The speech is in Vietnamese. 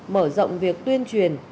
mở rộng việc tuyên truyền